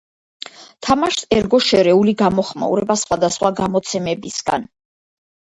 თამაშს ერგო შერეული გამოხმაურება სხვადასხვა გამოცემებისგან.